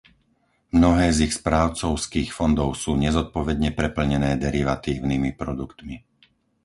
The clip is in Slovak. Mnohé z ich správcovských fondov sú nezodpovedne preplnené derivatívnymi produktmi.